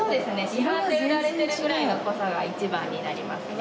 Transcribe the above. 市販で売られてるぐらいの濃さが１番になりますね。